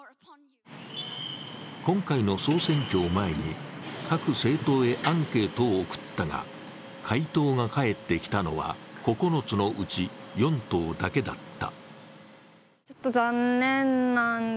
今回の総選挙を前に各政党へアンケートを送ったが回答が返ってきたのは９つのうち４党だけだった。